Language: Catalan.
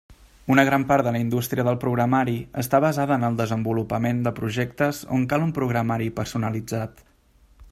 Una gran part de la indústria del programari està basada en el desenvolupament de projectes on cal un programari personalitzat.